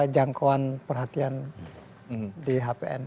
jangkauan perhatian di hpn